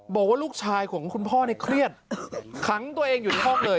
บอกว่าลูกชายของคุณพ่อเนี่ยเครียดขังตัวเองอยู่ในห้องเลย